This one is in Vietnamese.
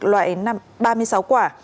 loại ba mươi sáu quả